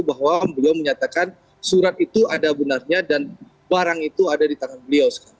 bahwa beliau menyatakan surat itu ada benarnya dan barang itu ada di tangan beliau sekarang